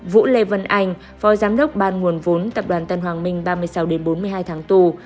vũ lê vân anh phó giám đốc ban nguồn vốn tập đoàn tân hoàng minh ba mươi sáu bốn mươi hai tháng tù